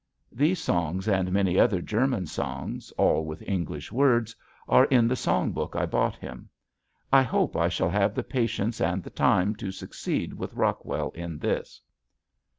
These songs and many other German songs, all with English words, are in the song book I bought him. I hope I shall have the patience and the time to succeed with Rockwell in this.